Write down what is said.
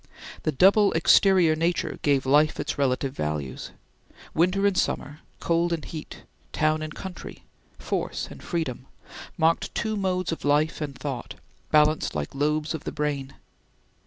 The double exterior nature gave life its relative values. Winter and summer, cold and heat, town and country, force and freedom, marked two modes of life and thought, balanced like lobes of the brain.